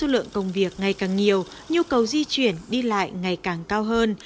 với số lượng công việc ngày càng nhiều nhu cầu di chuyển đi lại ngày càng cao hơn